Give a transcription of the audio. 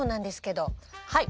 はい。